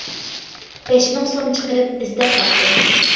بەش مىڭ سوم چىقىرىپ ئىزدەپ باقتىم.